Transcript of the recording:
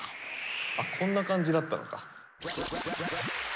あこんな感じだったのか。